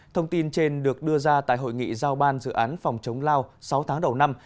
thông tin trên được đưa ra tại hội nghị giao ban dự án phòng chống lao sáu tháng đầu năm